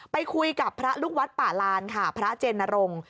ไปคุยกับพระลูกวัดป่าลานค่ะพระเจนรงค์